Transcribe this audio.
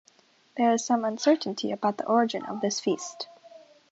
There is some uncertainty about the origin of this feast.